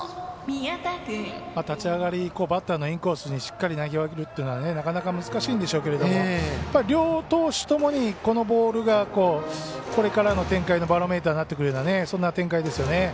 立ち上がりバッターのインコースにしっかり投げ分けるというのはなかなか難しいんでしょうけど両投手ともに、このボールがこれからの展開のバロメーターになってくるような展開ですよね。